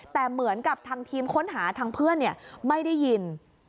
แต่เหมือนกับทางทีมค้นหาทางเพื่อนไม่ได้ยิน